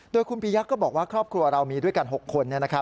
โดยคุณปียะก็บอกว่าครอบครัวเรามีด้วยกัน๖คน